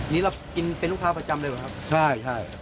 นี่เรากินเป็นลูกค้าประจำเลยเหรอครับใช่ใช่